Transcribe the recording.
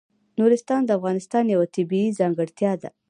نورستان د افغانستان یوه طبیعي ځانګړتیا ده.